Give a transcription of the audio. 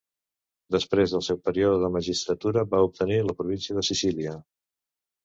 Després del seu període de magistratura va obtenir la província de Sicília.